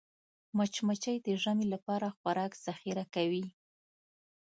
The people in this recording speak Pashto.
مچمچۍ د ژمي لپاره خوراک ذخیره کوي